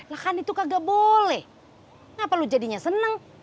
lah kan itu kagak boleh kenapa lo jadinya seneng